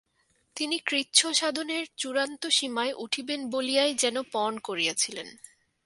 তিনি কৃচ্ছ্রসাধনের চূড়ান্ত সীমায় উঠিবেন বলিয়াই যেন পণ করিয়াছিলেন।